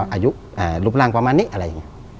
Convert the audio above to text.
อายุลูปรังประมาณนี้